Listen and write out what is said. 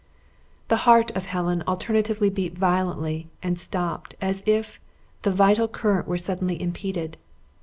The heart of Helen alternatively beat violently, and stopped, as if the vital current were suddenly impeded.